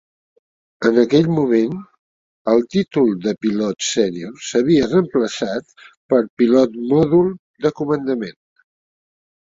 En aquell moment, el títol de pilot sènior s'havia reemplaçat per pilot modul de comandament.